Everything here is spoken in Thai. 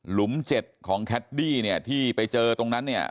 ๗ของแคดดี้เนี่ยที่ไปเจอตรงนั้นเนี่ย